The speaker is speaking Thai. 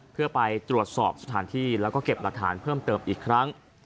เพื่อไปตรวจสอบสถานที่แล้วก็เก็บหลักฐานเพิ่มเติมอีกครั้ง